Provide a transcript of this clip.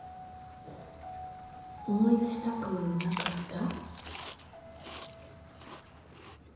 思い出したくなかった？